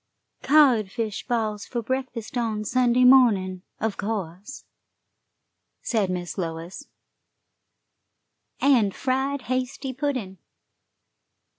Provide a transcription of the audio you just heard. "Codfish balls for breakfast on Sunday morning, of course," said Miss Lois, "and fried hasty pudding.